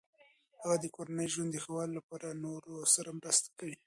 هغه د کورني ژوند د ښه والي لپاره د نورو سره مرسته کوي.